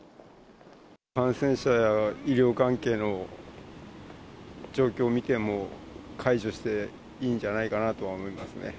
感染者や医療関係の状況を見ても、解除していいんじゃないかなとは思いますね。